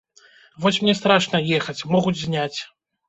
Вось мне страшна ехаць, могуць зняць.